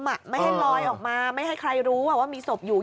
ไม่ให้ลอยออกมาไม่ให้ใครรู้ว่ามีศพอยู่